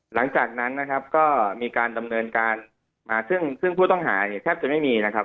หลังจากนั้นนะครับก็มีการดำเนินการมาซึ่งซึ่งผู้ต้องหาเนี่ยแทบจะไม่มีนะครับ